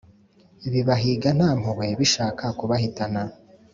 Bibahiga nta mpuhwe bishaka kubahitana